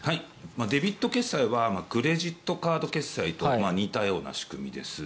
デビット決済はクレジットカード決済と似たような仕組みです。